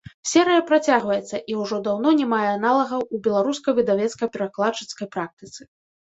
Серыя працягваецца і ўжо даўно не мае аналагаў у беларускай выдавецка-перакладчыцкай практыцы.